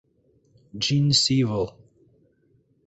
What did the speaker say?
Genes Evol.